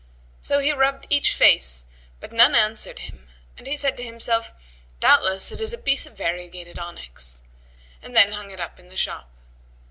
So he rubbed each face; but none answered him[FN#115] and he said to himself, "Doubtless it is a piece of variegated onyx;" and then hung it up in the shop.